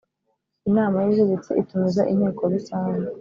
Inama y Ubutegetsi itumiza inteko rusange